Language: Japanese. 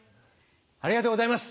ありがとうございます。